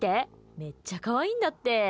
めっちゃ可愛いんだって。